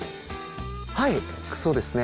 はいそうですね。